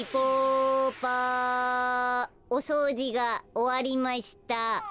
おそうじがおわりました。